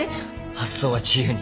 発想は自由に。